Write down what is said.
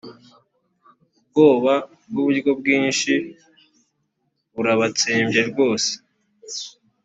ubwoba bw uburyo bwinshi burabatsembye rwose